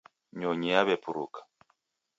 Nyonyi yaw'epuruka